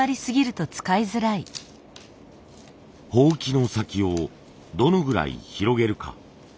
箒の先をどのぐらい広げるか。